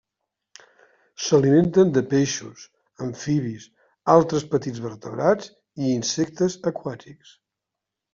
S'alimenten de peixos, amfibis, altres petits vertebrats i insectes aquàtics.